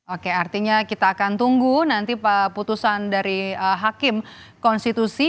oke artinya kita akan tunggu nanti putusan dari hakim konstitusi